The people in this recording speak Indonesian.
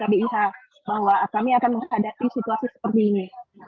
bahwa kami akan menghadapi situasi seperti ini